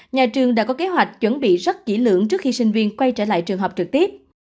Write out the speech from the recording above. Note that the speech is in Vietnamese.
nhà trường đã có kế hoạch chuẩn bị rất kỹ lưỡng trước khi sinh viên quay trở lại trường học trực tiếp